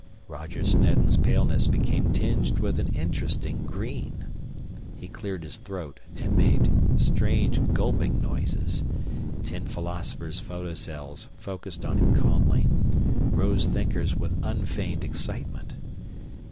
Roger Snedden's paleness became tinged with an interesting green. He cleared his throat and made strange gulping noises. Tin Philosopher's photocells focused on him calmly, Rose Thinker's with unfeigned excitement.